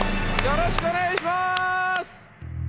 よろしくお願いします！